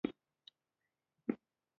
نن مې د جامو الماري پاکه کړه.